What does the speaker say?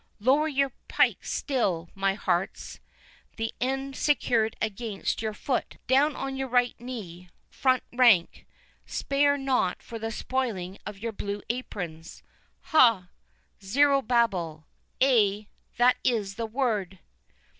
Lower your pikes still, my hearts, the end secured against your foot—down on your right knee, front rank—spare not for the spoiling of your blue aprons.—Ha—Zerobabel—ay, that is the word!"